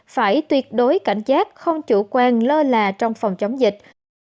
phải tuyệt đối cảnh giác không chủ quan lơ là trong phòng chống dịch